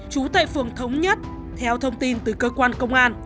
chú tệ phường thống nhất theo thông tin từ cơ quan công an